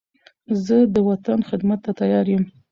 زه د وطن خدمت ته تیار یم.